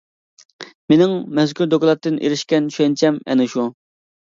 مېنىڭ مەزكۇر دوكلاتتىن ئېرىشكەن چۈشەنچەم ئەنە شۇ.